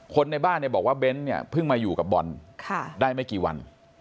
คนในบ้านบอกว่าเบนท์เพิ่งมาอยู่กับบอลได้ไม่กี่วัน